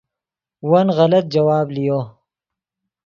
ون غلط جواب لیو